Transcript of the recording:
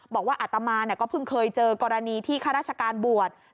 อัตมาก็เพิ่งเคยเจอกรณีที่ข้าราชการบวช